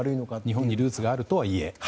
日本にルーツがあるとはいえ。